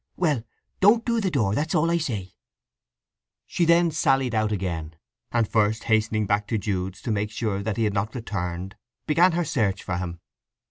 "Well—don't do the door. That's all I say." She then sallied out again, and first hastening back to Jude's to make sure that he had not returned, began her search for him.